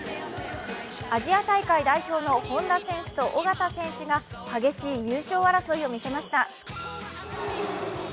アジア大会代表の本多選手と小方選手が激しい優勝争いを見せました。